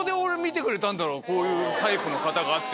こういうタイプの方がって。